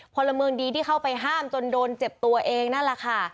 พลเมืองดีที่เข้าไปห้ามจนโดนเจ็บตัวเองนั่นแหละค่ะ